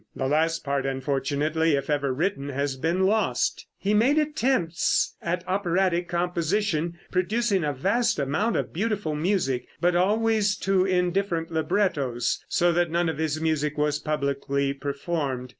The last part, unfortunately, if ever written, has been lost. He made attempts at operatic composition, producing a vast amount of beautiful music, but always to indifferent librettos, so that none of his music was publicly performed.